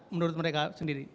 menurut mereka sendiri